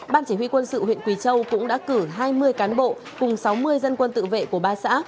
ban chỉ huy quân sự huyện quỳ châu cũng đã cử hai mươi cán bộ cùng sáu mươi dân quân tự vệ của ba xã